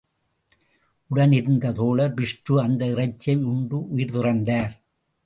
உடன் இருந்த தோழர் பிஷ்ரு அந்த இறைச்சியை உண்டு உயிர் துறந்தார்.